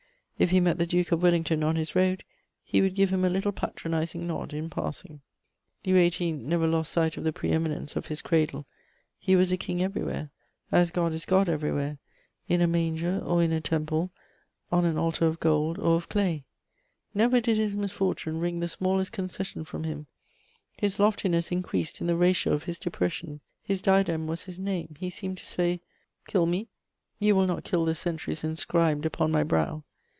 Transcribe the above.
If he met the Duke of Wellington on his road, he would give him a little patronizing nod in passing. [Sidenote: The dignity of Louis XVIII.] Louis XVIII. never lost sight of the pre eminence of his cradle; he was a king everywhere, as God is God everywhere, in a manger or in a temple, on an altar of gold or of clay. Never did his misfortune wring the smallest concession from him; his loftiness increased in the ratio of his depression; his diadem was his name; he seemed to say, "Kill me, you will not kill the centuries inscribed upon my brow."